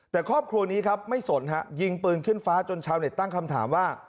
แต่ครอบครัวนี้ครับไม่สนฮะยิงปืนขึ้นฟ้าจนชาวเน็ตตั้งคำถามว่า